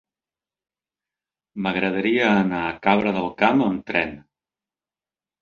M'agradaria anar a Cabra del Camp amb tren.